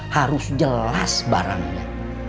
harus jelas barangnya